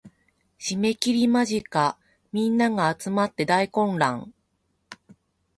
締切間近皆が集って大混乱